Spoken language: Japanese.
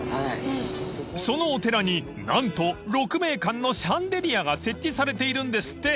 ［そのお寺に何と鹿鳴館のシャンデリアが設置されているんですって！］